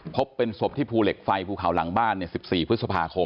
พบเป็นศพที่ภูเหล็กไฟภูเขาหลังบ้าน๑๔พฤษภาคม